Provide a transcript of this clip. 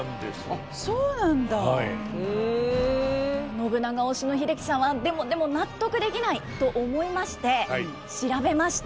信長推しの英樹さんは「でもでも納得できない」と思いまして調べました。